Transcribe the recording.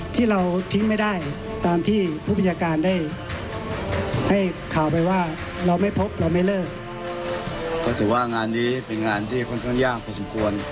ที่รอคอยเราอยู่